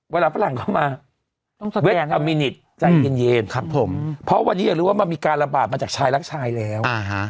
เวลาฝรั่งเข้ามาต้องแสดงครับจ่ายเย็นครับผมเพราะวันนี้อยากรู้ว่ามันมีการระบาดมาจากชายรักชายแล้ว